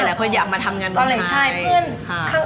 หลายคนอยากมาทำงานที่ไทย